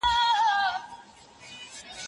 کله چې اراده قوي وي هر څه کیږي.